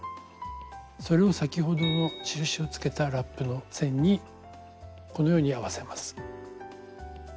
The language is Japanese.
それを先ほどの印をつけたラップの線にこのように合わせます。